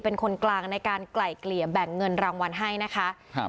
เป็นคนกลางในการไกล่เกลี่ยแบ่งเงินรางวัลให้นะคะครับ